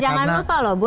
dan jangan lupa loh bud